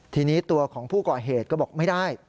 ทีนี้ตัวของผู้ก่อเหตุก็บอกไม่ได้